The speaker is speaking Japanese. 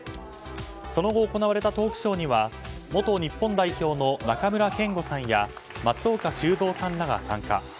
その後、行われたトークショーには元日本代表の中村憲剛さんや松岡修造さんらが参加。